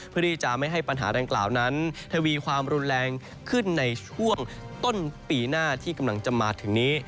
เพื่อที่จะไม่ให้ปัญหาดังกล่าวนั้นทวีความรุนแรงขึ้นในช่วงต้นปีหน้าที่กำลังจะมาถึงนี้